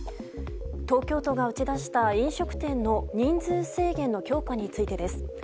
東京都が打ち出した飲食店の人数制限の強化についてです。